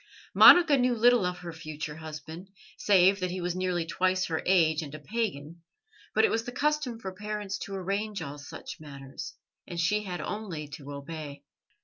Monica knew little of her future husband, save that he was nearly twice her age and a pagan, but it was the custom for parents to arrange all such matters, and she had only to obey.